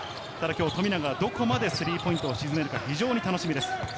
今日、富永はどこまでスリーポイントを沈めるか楽しみです。